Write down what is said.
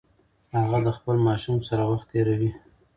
هغه د خپل ماشوم سره وخت تیروي.